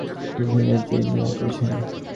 তিনি মাইলের পর মাইল ঘুরে কৃষকদের চিকিৎসা করেছেন।